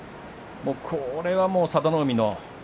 これはもう佐田の海の。